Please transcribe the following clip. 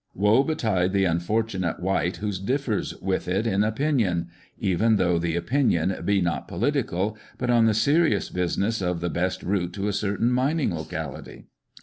Woe betide the unfortunate wight who diifers with it in opinion — even though the opinion be not political, but on the serious business of the best route to a certain mining locality.